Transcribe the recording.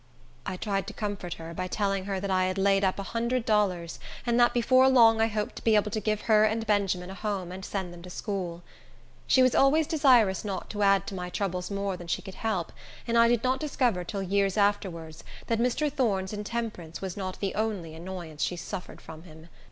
I tried to comfort her, by telling her that I had laid up a hundred dollars, and that before long I hoped to be able to give her and Benjamin a home, and send them to school. She was always desirous not to add to my troubles more than she could help, and I did not discover till years afterwards that Mr. Thorne's intemperance was not the only annoyance she suffered from him.